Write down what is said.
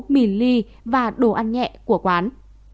mì ly và đồ ăn nhẹ của quán